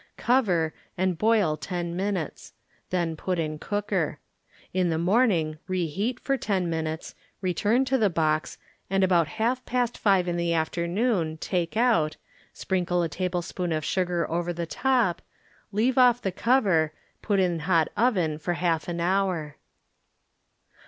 Cover, and boil ten minutes ; then put in cooker. In the morning reheat tor ten minutes, re turn to the box and about half past five in the afternoon take out, sprinkle a table spoonful of sugar over the top, leave off the cover, put in hot oven for half an hour.